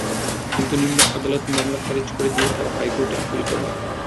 কিন্তু নিম্ন আদালত মামলা খারিজ করে দিলে তাঁরা হাইকোর্টে আপিল করেন।